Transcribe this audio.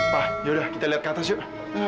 wah yaudah kita lihat ke atas yuk